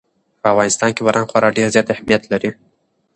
په افغانستان کې باران خورا ډېر زیات اهمیت لري.